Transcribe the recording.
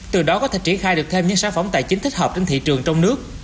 từ đó có thể triển khai được thêm những sản phẩm tài chính thích hợp trên thị trường trong nước